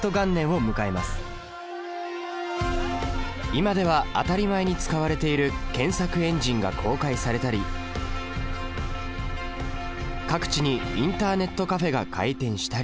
今では当たり前に使われている検索エンジンが公開されたり各地にインターネットカフェが開店したり。